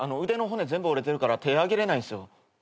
腕の骨全部折れてるから手上げれないんすよ。